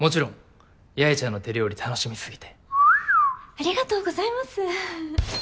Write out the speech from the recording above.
ありがとうございますははっ。